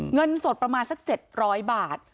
เงินสดประมาณสัก๗๐๐บาท